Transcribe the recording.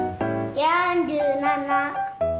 ４７。